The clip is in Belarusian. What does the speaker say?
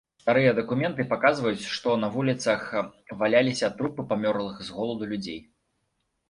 Старыя дакументы паказваюць, што на вуліцах валяліся трупы памерлых з голаду людзей.